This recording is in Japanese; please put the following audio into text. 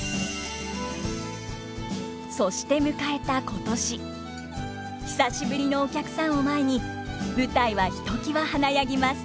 そして迎えた今年久しぶりのお客さんを前に舞台はひときわ華やぎます。